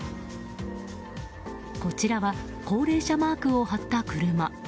こちらは、高齢者マークを貼った車。